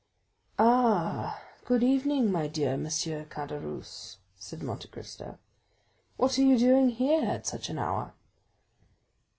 "Ah, good evening, my dear M. Caderousse," said Monte Cristo; "what are you doing here, at such an hour?"